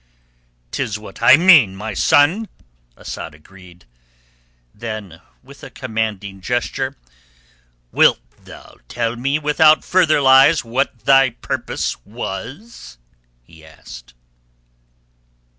"'Tis what I mean, my son," Asad agreed. Then with a commanding gesture: "Wilt thou tell me without further lies what thy purpose was?" he asked.